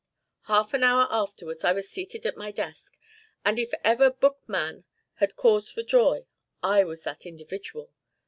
Half an hour afterwards I was seated at my desk, and if ever book man had cause for joy, I was that individual.